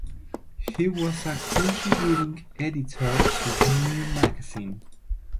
He was a contributing editor to "Venue" magazine.